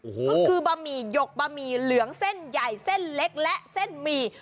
ก็คือบะหมี่หยกบะหมี่เหลืองเส้นใหญ่เส้นเล็กและเส้นหมี่